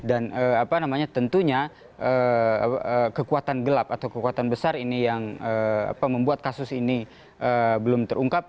dan apa namanya tentunya kekuatan gelap atau kekuatan besar ini yang membuat kasus ini belum terungkap